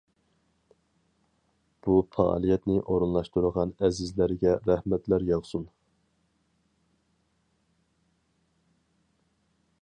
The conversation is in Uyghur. بۇ پائالىيەتنى ئورۇنلاشتۇرغان ئەزىزلەرگە رەھمەتلەر ياغسۇن.